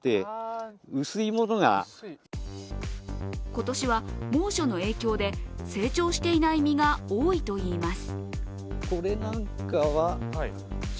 今年は猛暑の影響で、成長していない実が多いといいます。